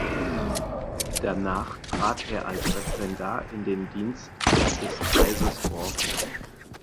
Danach trat er als Referendar in den Dienst des Kreises Borken.